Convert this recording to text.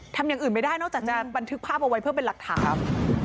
ทำอย่างอื่นไม่ได้นอกจากจะบันทึกภาพเอาไว้เพื่อเป็นหลักฐาน